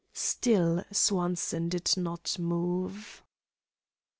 Still Swanson did not move.